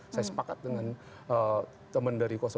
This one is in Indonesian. saya sepakat dengan teman dari satu